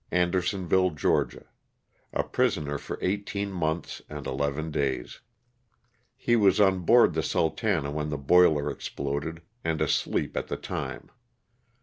; And ersonville, Ga ,— a prisoner for eighteen months and eleven days. He was on board the ''Sultana" when the boiler exploded, and asleep at the time.